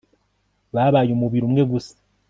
babaye umubiri umwe gusa